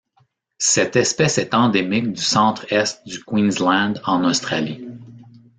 Cette espèce est endémique du centre-Est du Queensland en Australie.